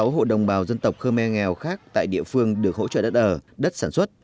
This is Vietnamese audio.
một trăm bốn mươi sáu hộ đồng bào dân tộc khmer nghèo khác tại địa phương được hỗ trợ đất ở đất sản xuất